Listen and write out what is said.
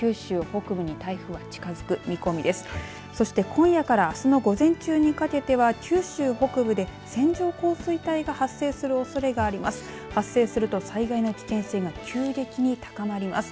今夜からあすの午前中にかけては九州北部では線状降水帯が発生するおそれがあります。